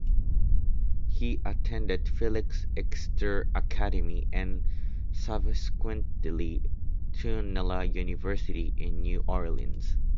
He attended Phillips Exeter Academy, and subsequently Tulane University in New Orleans.